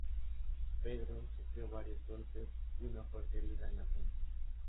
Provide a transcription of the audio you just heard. Pedro sufrió varios golpes y una fuerte herida en la frente.